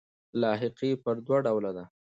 لاحقې پر دوه ډوله دي.